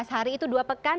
empat belas hari itu dua pekan